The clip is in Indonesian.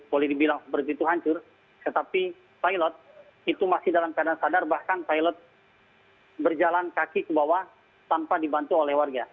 boleh dibilang seperti itu hancur tetapi pilot itu masih dalam keadaan sadar bahkan pilot berjalan kaki ke bawah tanpa dibantu oleh warga